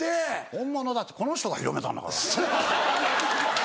本物だってこの人が広めたんだから。